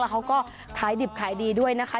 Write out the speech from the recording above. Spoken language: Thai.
เขาก็ขายดิบขายดีด้วยนะคะ